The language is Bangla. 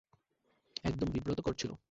একদম বিব্রতকর ছিলো।